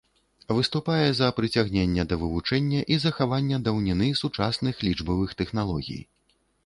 Выступае за прыцягнення да вывучэння і захавання даўніны сучасных лічбавых тэхналогій.